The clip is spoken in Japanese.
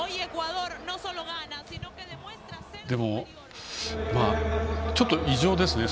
でも、ちょっと異常ですね